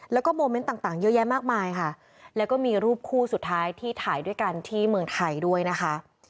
แล้วก็โมเมนต์ต่างเยอะแยะมากมายค่ะแล้วก็มีรูปคู่สุดท้ายที่ถ่ายด้วยกันที่เมืองไทยด้วยนะคะ